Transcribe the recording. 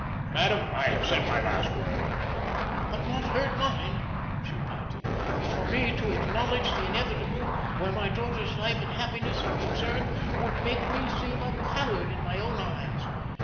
Madam, I have said my last word." "But not heard mine," she panted. "For me to acknowledge the inevitable where my daughter's life and happiness are concerned would make me seem a coward in my own eyes.